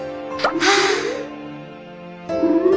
はあ。